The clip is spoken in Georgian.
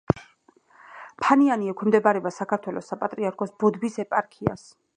ფანიანი ექვემდებარება საქართველოს საპატრიარქოს ბოდბის ეპარქიას.